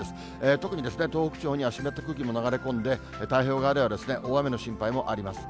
特に東北地方には湿った空気が流れ込んで、太平洋側では大雨の心配もあります。